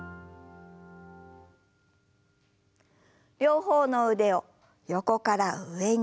両方の腕を横から上に。